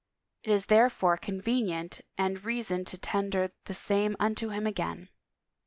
It is therefore convenient and reason to tender the same unto him again."